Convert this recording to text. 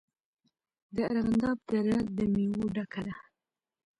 د ارغنداب دره د میوو ډکه ده.